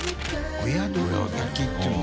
親鶏焼き」っていうの？